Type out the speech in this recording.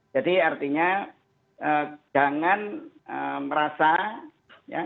jadi artinya jangan merasa ya